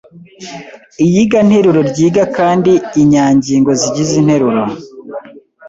Iyiganteruro ryiga kandi inyangingo zigize interuro